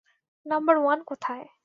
Number one কোথায়?